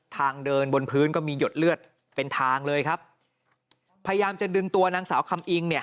ทางเดินบนพื้นก็มีหยดเลือดเป็นทางเลยครับพยายามจะดึงตัวนางสาวคำอิงเนี่ย